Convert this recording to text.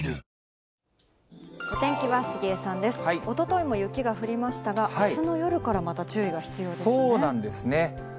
おとといも雪が降りましたが、あすの夜からまた注意が必要ですそうなんですね。